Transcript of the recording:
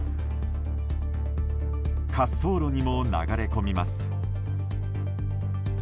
滑走路にも流れ込みます。